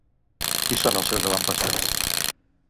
Qui són els seus avantpassats?